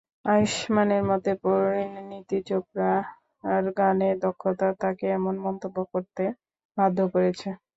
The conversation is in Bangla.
আয়ুষ্মানের মতে, পরিণীতি চোপড়ার গানের দক্ষতা তাঁকে এমন মন্তব্য করতে বাধ্য করেছে।